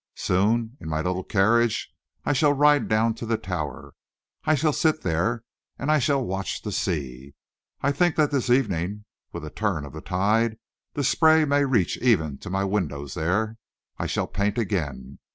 Soon, in my little carriage, I shall ride down to the Tower. I shall sit there, and I shall watch the sea. I think that this evening, with the turn of the tide, the spray may reach even to my windows there. I shall paint again.